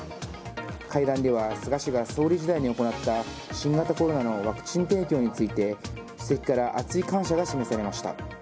会談では菅氏が総理時代に行った新型コロナのワクチン提供について主席から熱い感謝が示されました。